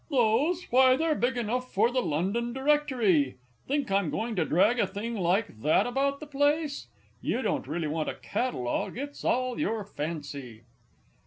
Those? Why they're big enough for the London Directory! Think I'm going to drag a thing like that about the place? You don't really want a Catalogue it's all your fancy!